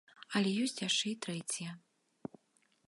Але ёсць яшчэ і трэція.